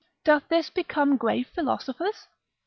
Doth this become grave philosophers?